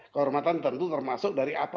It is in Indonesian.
kehormatan tentu termasuk dari apa